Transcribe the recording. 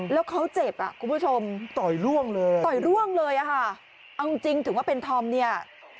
แล้วเขาเจ็บอ่ะคุณผู้ชมต่อยร่วงเลยต่อยร่วงเลยอ่ะค่ะเอาจริงถึงว่าเป็นธอมเนี่ย